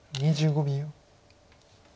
２５秒。